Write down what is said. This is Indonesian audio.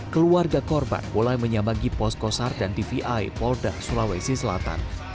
keluarga korban mulai menyambangi pos kosar dan dvi polda sulawesi selatan